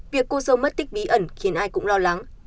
việc cô dâu mất tích bí ẩn khiến ai cũng lo lắng